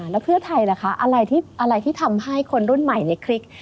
แล้วเพื่อไทยล่ะคะอะไรที่ทำให้คนรุ่นใหม่ในคลิก